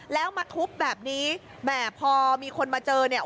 แล้วมาทุบแบบนี้แหมพอมีคนมาเจอเนี่ย